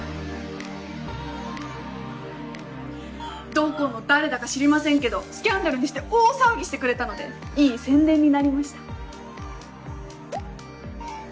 どこの誰だか知りませんけどスキャンダルにして大騒ぎしてくれたのでいい宣伝になりました。